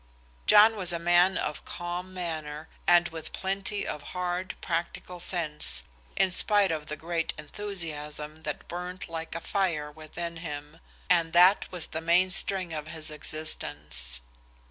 John was a man of calm manner and with plenty of hard, practical sense, in spite of the great enthusiasm that burned like a fire within him, and that was the mainspring of his existence.